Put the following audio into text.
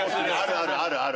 あるあるある！